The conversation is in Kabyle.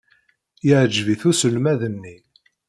Yeɛjeb-it uselmad-nni.